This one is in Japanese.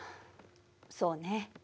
そうね。